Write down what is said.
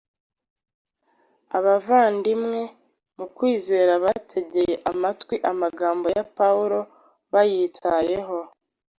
Abavandimwe mu kwizera bategeye amatwi amagambo ya Pawulo bayitayeho,